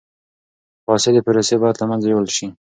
فاسدی پروسې باید له منځه یوړل شي.